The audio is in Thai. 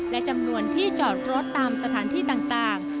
และจำนวนที่จอดรถตามสถานที่ต่าง